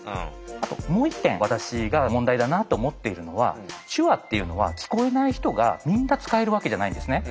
あともう一点私が問題だなと思っているのは手話っていうのは聞こえない人がみんな使えるわけじゃないんですね。